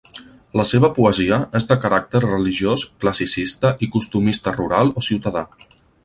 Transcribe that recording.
La seva poesia és de caràcter religiós, classicista i costumista rural o ciutadà.